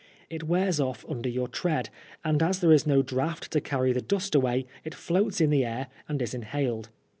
It wears ofE under your tread, and as there is no draught to carry the dust away, it floats in the air and is inhaled.